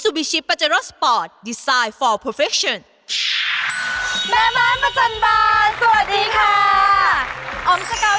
ออมสกาวใจพื้นสวัสดิ์ค่ะ